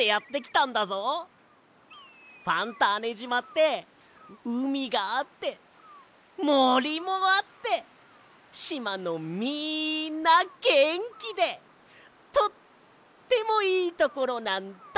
ファンターネじまってうみがあってもりもあってしまのみんなげんきでとってもいいところなんだ。